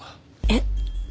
えっ。